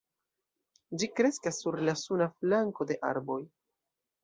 Ĝi kreskas sur la suna flanko de arboj.